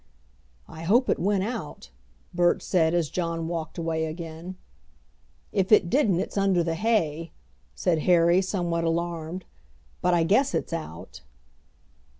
"I hope it went out," Bert said, as John walked away again. "If it didn't it's under the hay," said Harry, somewhat alarmed. "But I guess it's out."